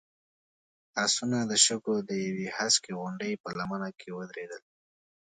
آسونه د شګو د يوې هسکې غونډۍ په لمنه کې ودرېدل.